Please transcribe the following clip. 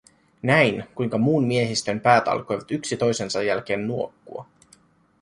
Näin kuinka muun miehistön päät alkoivat yksi toisensa jälkeen nuokkua.